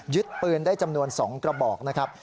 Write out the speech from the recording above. ปืนได้จำนวน๒กระบอกนะครับ